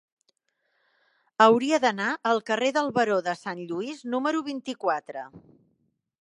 Hauria d'anar al carrer del Baró de Sant Lluís número vint-i-quatre.